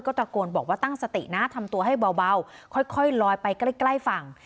ก็ตะโกนบอกว่าตั้งสตินะทำตัวให้เบาเบาค่อยค่อยลอยไปใกล้ใกล้ฝั่ง